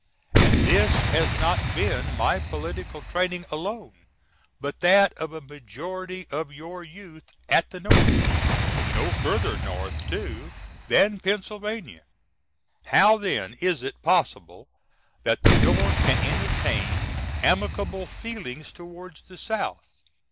And this has not been my political training alone but that of a majority of your youth at the North no further North too than Penna. How then is it possible that the North can entertain amicable feelings toward the South?